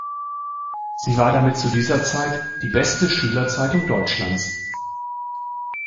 Sie war damit zu dieser Zeit die beste Schülerzeitung Deutschlands.